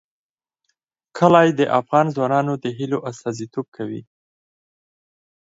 کلي د افغان ځوانانو د هیلو استازیتوب کوي.